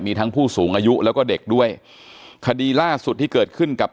มีทั้งผู้สูงอายุแล้วก็เด็กด้วยคดีล่าสุดที่เกิดขึ้นกับ